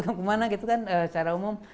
kemana gitu kan secara umum